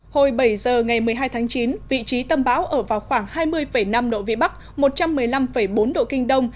hồi bảy giờ ngày một mươi hai tháng chín vị trí tâm bão ở vào khoảng hai mươi năm độ vĩ bắc một trăm một mươi năm bốn độ kinh đông